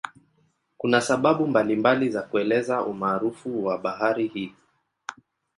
Kuna sababu mbalimbali za kuelezea umaarufu wa bahari hii.